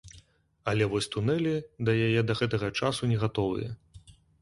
Але вось тунэлі да яе да гэтага часу не гатовыя.